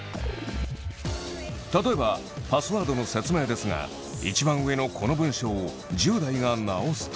例えばパスワードの説明ですが１番上のこの文章を１０代が直すと。